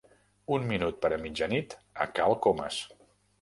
Un minut per a mitjanit a cal Comas.